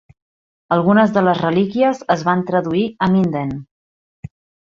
Algunes de les relíquies es van traduir a Minden.